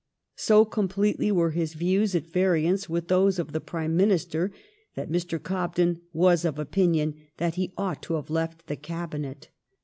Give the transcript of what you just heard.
So completely were his views at variance with those of the Prime Minister that Mr. Oobden was of opinion that he ought to have left the Cabinet.